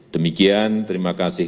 demikian terima kasih